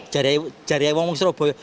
jari jari orang di surabaya